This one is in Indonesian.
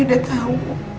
gue udah tau